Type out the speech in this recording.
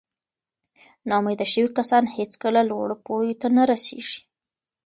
ناامیده شوي کسان هیڅکله لوړو پوړیو ته نه رسېږي.